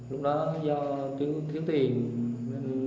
lúc đó do thiếu tiền